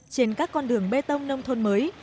trên các con đường bê tông nông thôn mới